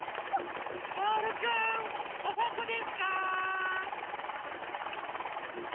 ボールくんおさんぽですか？